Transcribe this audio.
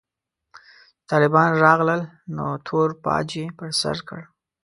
چې طالبان راغلل نو تور پاج يې پر سر کړ.